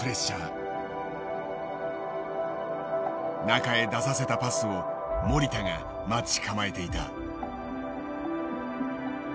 中へ出させたパスを守田が待ち構えていた。